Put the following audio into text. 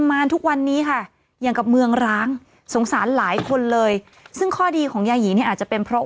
บ้านก็อยู่ตรงข้ามกันนะ